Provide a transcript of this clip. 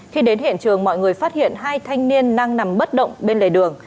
khi đến hiện trường mọi người phát hiện hai thanh niên đang nằm bất động bên lề đường